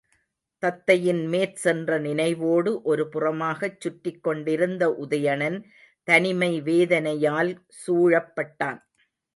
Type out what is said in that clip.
தத்தையின் மேற்சென்ற நினைவோடு, ஒரு புறமாகச் சுற்றிக் கொண்டிருந்த உதயணன் தனிமை வேதனையால் சூழப்பட்டான்.